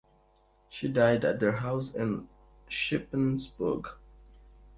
She died at their house in Shippensburg.